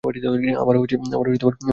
আমারও ভালো ঠেকছে না।